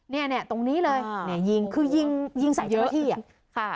เนี่ยตรงนี้เลยคือยิงใส่เจ้าหน้าที่อะ